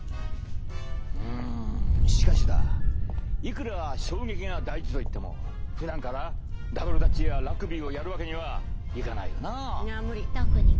うむしかしだいくら衝撃が大事といってもふだんからダブルダッチやラグビーをやるわけにはいかないよな。